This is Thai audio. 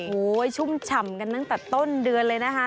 โอ้โหชุ่มฉ่ำกันตั้งแต่ต้นเดือนเลยนะคะ